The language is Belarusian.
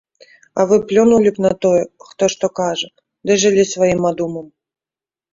А вы плюнулі б на тое, хто што кажа, ды жылі сваім адумам.